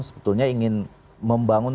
sebetulnya ingin membangun